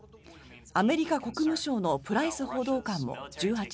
アメリカ国務省のプライス報道官も１８日